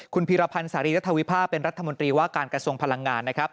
คุณพีรพันธ์สารีรัฐวิพาเป็นรัฐมนตรีว่าการกระทรวงพลังงานนะครับ